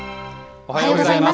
おはようございます。